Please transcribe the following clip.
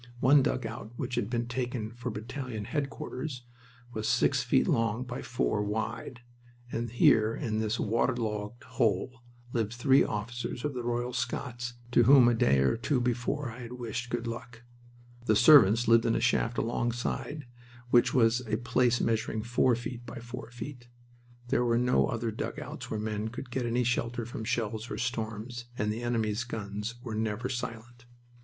One dugout which had been taken for battalion headquarters was six feet long by four wide, and here in this waterlogged hole lived three officers of the Royal Scots to whom a day or two before I had wished "good luck." The servants lived in the shaft alongside which was a place measuring four feet by four feet. There were no other dugouts where men could get any shelter from shells or storms, and the enemy's guns were never silent.